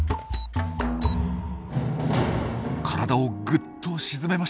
体をぐっと沈めました。